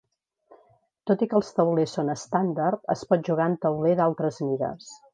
Tot i que els taulers són estàndard, es pot jugar en tauler d'altres mides.